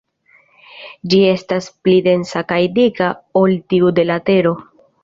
Ĝi estas pli densa kaj dika ol tiu de la Tero.